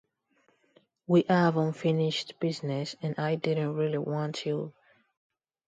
We have unfinished business, and I didn't really want to leave here.